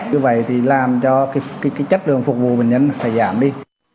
vì vậy thì làm cho chất lượng phục vụ mình nhấn phải giảm đi